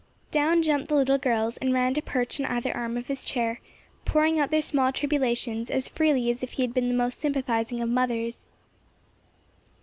Down jumped the little girls and ran to perch on either arm of his chair, pouring out their small tribulations as freely as if he had been the most sympathizing of mothers.